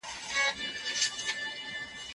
هغه وایي چې مسواک د غاښونو لپاره ګټور دی.